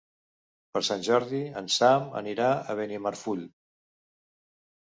Per Sant Jordi en Sam anirà a Benimarfull.